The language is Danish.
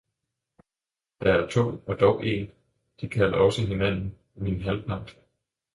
de er to og dog én, de kalder også hinanden 'min halvpart'.